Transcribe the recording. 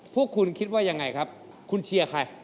พวกคุณคิดว่ายังไงครับคุณเชียร์ใคร